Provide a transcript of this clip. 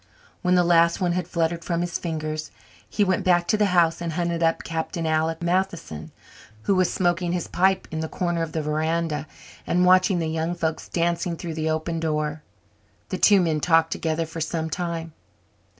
When the last one had fluttered from his fingers, he went back to the house and hunted up Captain Alec Matheson, who was smoking his pipe in a corner of the verandah and watching the young folks dancing through the open door. The two men talked together for some time.